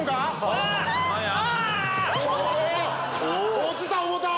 落ちた思うた！